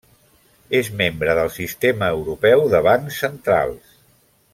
És membre del Sistema Europeu de Bancs Centrals.